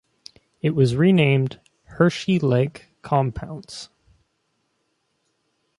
It was renamed "Hershey Lake Compounce".